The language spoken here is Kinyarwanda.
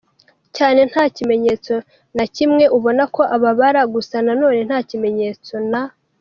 cyane ntakimenyetso na kimwe ubona ko ababara, gusa nanone ntakimenyetso na